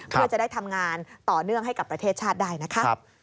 เพื่อจะได้ทำงานต่อเนื่องให้กับประเทศชาติได้นะคะ